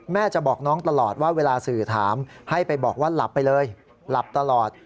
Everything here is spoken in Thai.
จะบอกน้องตลอดว่าเวลาสื่อถามให้ไปบอกว่าหลับไปเลยหลับตลอด